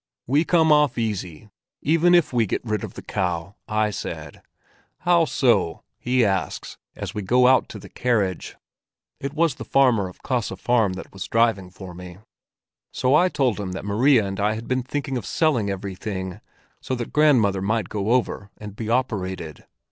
'We come off easily, even if we get rid of the cow,' I said. 'How so?' he asks, as we go out to the carriage —it was the farmer of Kaase Farm that was driving for me. So I told him that Maria and I had been thinking of selling everything so that grandmother might go over and be operated.